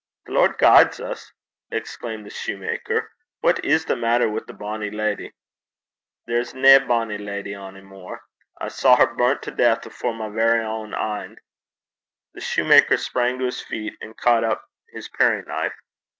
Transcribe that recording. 'The Lord guide 's!' exclaimed the soutar. 'What is the maitter wi' the bonnie leddy?' 'There's nae bonnie leddy ony mair. I saw her brunt to death afore my verra ain een.' The shoemaker sprang to his feet and caught up his paring knife.